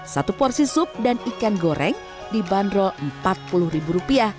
satu porsi sup dan ikan goreng dibanderol rp empat puluh